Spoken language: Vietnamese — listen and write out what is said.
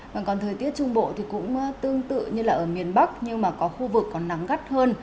vâng còn thời tiết trung bộ thì cũng tương tự như là ở miền bắc nhưng mà có khu vực có nắng gắt hơn